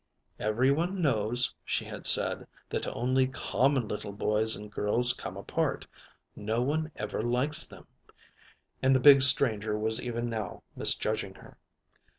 "Every one knows," she had said, "that only common little boys and girls come apart. No one ever likes them," and the big stranger was even now misjudging her.